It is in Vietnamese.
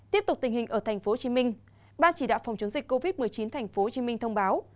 tiếp tục tình hình ở tp hcm ban chỉ đạo phòng chống dịch covid một mươi chín tp hcm thông báo